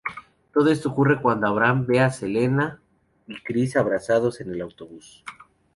Todo esto ocurre cuando Abraham ve a Selena y Chris abrazados en el autobús.